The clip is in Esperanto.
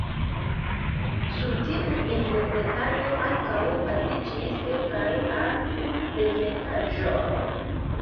Sur tiu interpretado ankaŭ baziĝis kelkaj art-prezentaĵoj.